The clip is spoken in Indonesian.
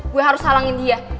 gue harus halangin dia